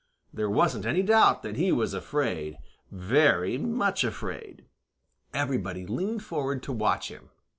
There wasn't any doubt that he was afraid, very much afraid. Everybody leaned forward to watch him.